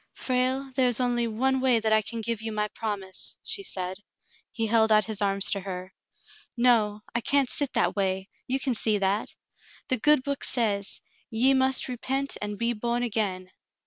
"Frale, there is just one way that I can give you my promise," she said. He held out his arms to her. "No, I can't sit that way; you can see that. The good book says, 'Ye must repent and be born again.'"